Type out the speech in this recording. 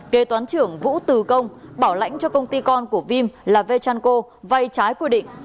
kế toán trưởng vũ từ công bảo lãnh cho công ty con của vim là vechanco vay trái quy định